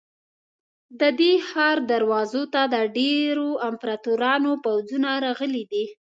د دې ښار دروازو ته د ډېرو امپراتورانو پوځونه راغلي دي.